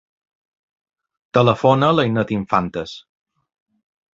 Telefona a l'Ainet Infantes.